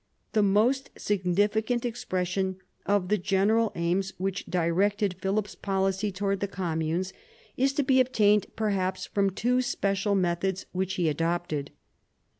The most significant expression of the general aims which directed Philip's policy towards the communes is to be obtained, perhaps, from two special methods which he adopted.